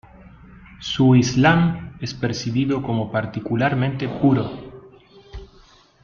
Su islam es percibido como particularmente puro.